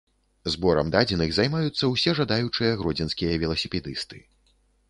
Зборам дадзеных займаюцца ўсе жадаючыя гродзенскія веласіпедысты.